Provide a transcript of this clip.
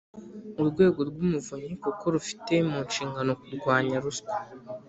urwego rw'umuvunyi kuko rufite mu nshingano kurwanya ruswa